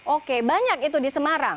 oke banyak itu di semarang